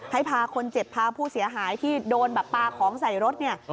ให้พาคนเจ็บพาผู้เสียหายที่โดนแบบปลาของใส่รถเนี่ย